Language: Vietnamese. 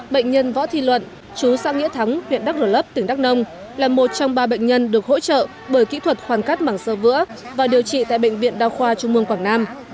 bệnh nhân võ thi luận chú sa nghĩa thắng viện đắc rồi lấp tỉnh đắc nông là một trong ba bệnh nhân được hỗ trợ bởi kỹ thuật khoan cắt bảng sơ vữa và điều trị tại bệnh viện đa khoa trung ương quảng nam